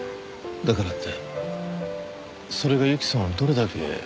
だからってそれが侑希さんをどれだけ傷つけたか。